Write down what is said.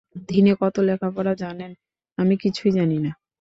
তিনি কত লেখাপড়া জানেন, আমি কিছুই জানি না।